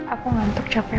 aku ngantuk capek mau tidur